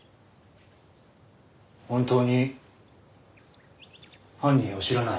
本当に犯人を知らない？